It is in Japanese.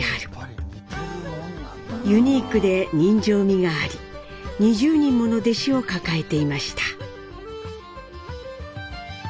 ユニークで人情味があり２０人もの弟子を抱えていました。